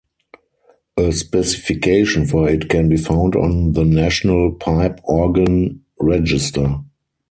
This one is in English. A specification for it can be found on the National Pipe Organ Register.